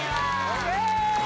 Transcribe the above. ＯＫ